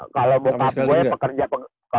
kalau bapak gue pekerja kalau enggak ada atlet